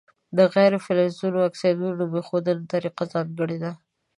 د غیر فلزونو د اکسایدونو نوم ایښودلو طریقه ځانګړې ده.